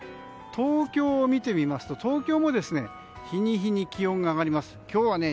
東京を見てみますと東京も日に日に気温が上がります。